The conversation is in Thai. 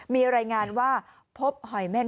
มีรายงานว่าพบหอยเม่น